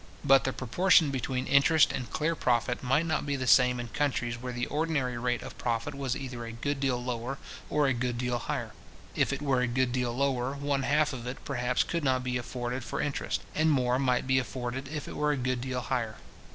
But the proportion between interest and clear profit might not be the same in countries where the ordinary rate of profit was either a good deal lower, or a good deal higher. If it were a good deal lower, one half of it, perhaps, could not be afforded for interest; and more might be afforded if it were a good deal higher.